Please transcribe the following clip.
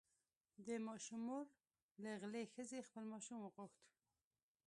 د ماشوم مور له غلې ښځې خپل ماشوم وغوښت.